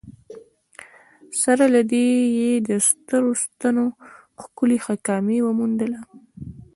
سره له دې یې د سترو ستنو ښکلې حکاکي وموندله.